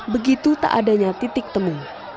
begitu tak adanya titik temu